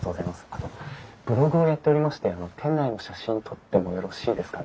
あとブログをやっておりまして店内の写真撮ってもよろしいですかね？